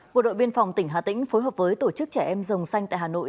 bộ đội biên phòng tỉnh hà tĩnh phối hợp với tổ chức trẻ em rồng xanh tại hà nội